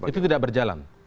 itu tidak berjalan